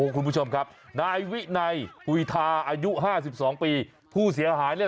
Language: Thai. คุณผู้ชมครับนายวิไนอุทาอายุ๕๒ปีผู้เสียหาย